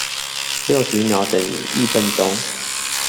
六十秒等於一分鐘